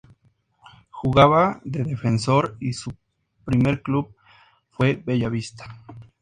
Jugaba de defensor y su primer club fue Bella Vista.